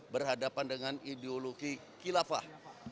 berhadapan dengan ideologi kilafah